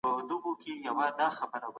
خصوصي سکتور د نوښتونو سرچینه ده.